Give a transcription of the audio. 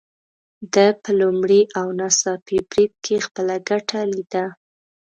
ده په لومړي او ناڅاپي بريد کې خپله ګټه ليده.